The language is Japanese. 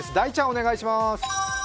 お願いします。